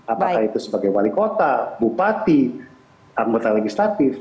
apakah itu sebagai wali kota bupati anggota legislatif